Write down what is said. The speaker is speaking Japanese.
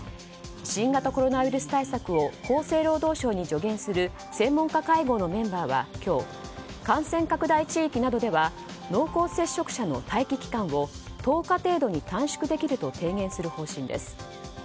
新型コロナウイルス対策を厚生労働省に助言する専門家会合のメンバーは今日感染拡大地域などでは濃厚接触者の待機期間を１０日程度に短縮できると提言する方針です。